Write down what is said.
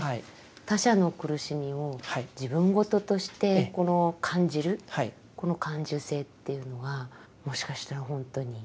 他者の苦しみを自分事として感じるこの感受性というのはもしかしたら本当に。